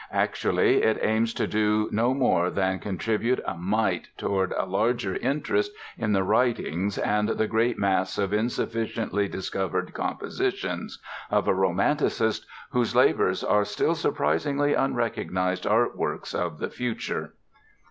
Actually, it aims to do no more than contribute a mite toward a larger interest in the writings and the great mass of insufficiently discovered compositions of a Romanticist whose labors are still surprisingly unrecognized art works of the future.